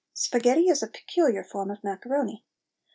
Sparghetti is a peculiar form of macaroni.